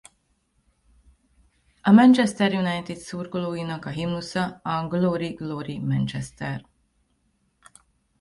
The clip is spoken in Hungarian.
A Manchester United szurkolóinak a himnusza a Glory Glory Manchester.